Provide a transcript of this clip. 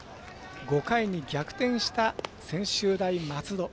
５回に逆転した専修大松戸。